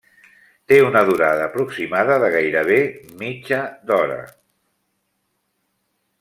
Té una durada aproximada de gairebé mitja d'hora.